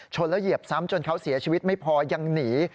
แล้วเหยียบซ้ำจนเขาเสียชีวิตไม่พอยังหนี